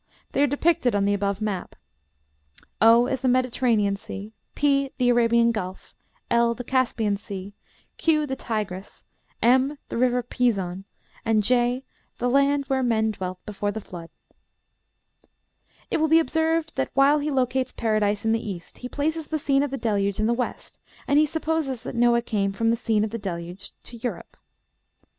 They are depicted on the above map: O is the Mediterranean Sea; P, the Arabian Gulf; L, the Caspian Sea; Q, the Tigris; M, the river Pison; "and J, the land where men dwelt before the Flood." It will be observed that, while he locates Paradise in the east, he places the scene of the Deluge in the west; and he supposes that Noah came from the scene of the Deluge to Europe.